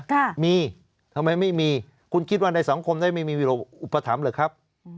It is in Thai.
ค่ะมีทำไมไม่มีคุณคิดว่าในสังคมได้ไม่มีอุปถัมภ์เหรอครับ